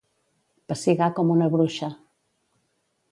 Pessigar com una bruixa.